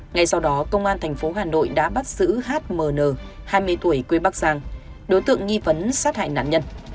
ngay sau đó công an thành phố hà nội đã bắt giữ h m n hai mươi tuổi quê bắc giang đối tượng nghi vấn sát hại nạn nhân